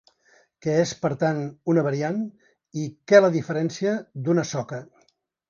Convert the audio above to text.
Què és, per tant, una variant i què la diferencia d’una soca?